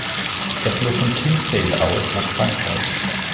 Er floh von Kinsale aus nach Frankreich.